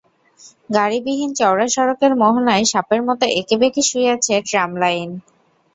গাড়িবিহীন চওড়া সড়কের মোহনায় সাপের মতো এঁকেবেঁকে শুয়ে আছে ট্রাম লাইন।